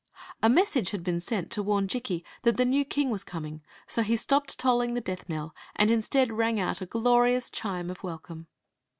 A K,^ssj^e had been sent to warn Jikki that the II' w king was coming, so he stopped tolling the death knell, and instead rang out a glorious chime of wel come.